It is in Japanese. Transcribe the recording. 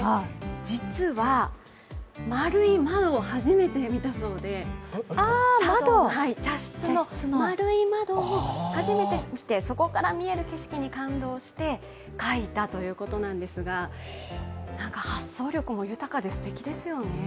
実は円い窓を初めて見たそうで、茶室の丸い窓を初めて見て、そこから見える景色に感動して描いたということなんですが発想力も豊かですてきですよね。